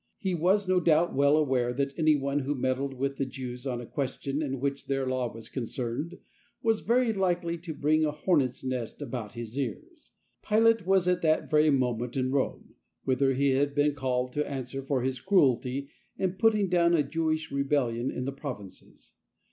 He was no doubt well aware that anyone who meddled with the Jew's on a question in which their Law was concerned was very likely to bring a hornets' nest about his ears. Pilate was at the very moment in Rome, whither he had been called to answer for his cruelty in putting down a Jewish rebellion in the provinces.